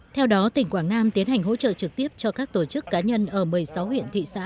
theo đó tỉnh quảng nam tiến hành hỗ trợ trực tiếp cho các tổ chức cá nhân ở một mươi sáu huyện thị xã